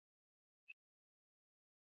出身于青森县。